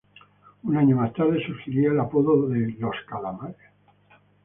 Un año más tarde surgiría el apodo de "Los Calamares".